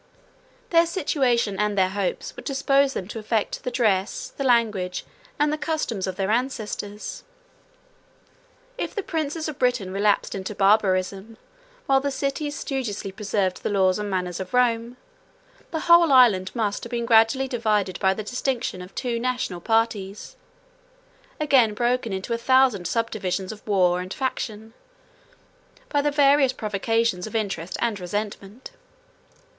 185 Their situation and their hopes would dispose them to affect the dress, the language, and the customs of their ancestors. If the princes of Britain relapsed into barbarism, while the cities studiously preserved the laws and manners of Rome, the whole island must have been gradually divided by the distinction of two national parties; again broken into a thousand subdivisions of war and faction, by the various provocations of interest and resentment.